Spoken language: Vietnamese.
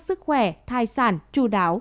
sức khỏe thai sản chú đáo